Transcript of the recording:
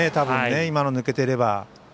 今のが抜けていれば。